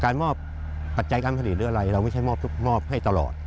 การปัจจัยการผลิตด้วยอะไรเราไม่ใช่